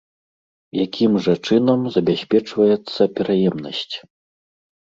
Якім жа чынам забяспечваецца пераемнасць?